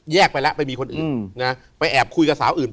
ไปแล้วไปมีคนอื่นนะไปแอบคุยกับสาวอื่นไป